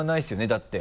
だって。